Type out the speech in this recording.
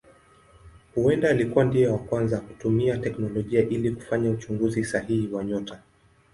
Huenda alikuwa ndiye wa kwanza kutumia teknolojia ili kufanya uchunguzi sahihi wa nyota.